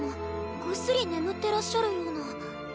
ぐっすり眠ってらっしゃるような。